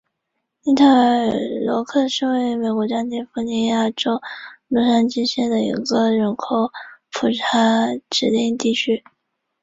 北爱足协认为没有必要限制其在爱尔兰自由邦挑选球员加入其国家队。